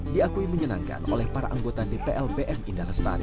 diakui menyenangkan oleh para anggota dpl pm indah lestari